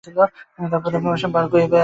তার প্রথম কমিশন বারউইক-আপ-তিদেতে ছিল।